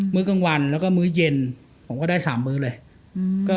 ื้อกลางวันแล้วก็มื้อเย็นผมก็ได้๓มื้อเลย